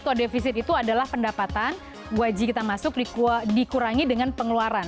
kodefisit itu adalah pendapatan wajih kita masuk dikurangi dengan pengeluaran